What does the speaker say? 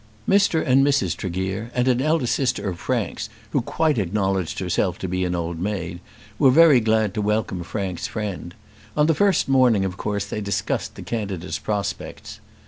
Mr. and Mrs. Tregear and an elder sister of Frank's, who quite acknowledged herself to be an old maid, were very glad to welcome Frank's friend. On the first morning of course they discussed the candidates' prospects.